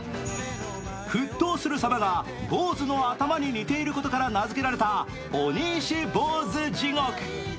沸騰する様が坊主の頭に似ていることから名付けられた鬼石坊主地獄。